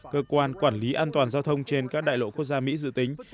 cơ quan quản lý an toàn giao thông trên các đại lộ quốc gia mỹ dự tính